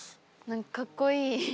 何かかっこいい！